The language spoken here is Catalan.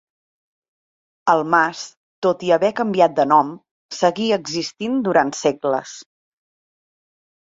El mas, tot i haver canviat de nom, seguí existint durant segles.